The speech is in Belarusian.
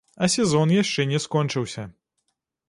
А сезон яшчэ не скончыўся.